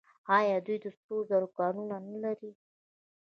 آیا دوی د سرو زرو کانونه نلري؟